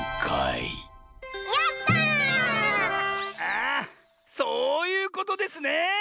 あそういうことですね。